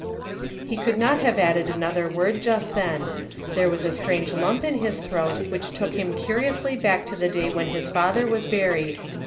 He could not have added another word just then ; there was a strange lump in his throat which took him curiously back to the day when his father was buried.